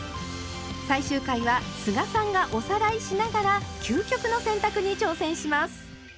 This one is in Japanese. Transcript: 最終回は須賀さんがおさらいしながら「究極の洗濯」に挑戦します！